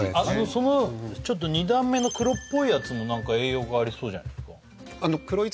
そのちょっと２段目の黒っぽいやつも何か栄養がありそうじゃないっすか？